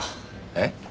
えっ？